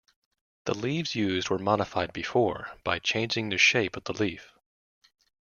The leaves used were modified before by changing the shape of the leaf.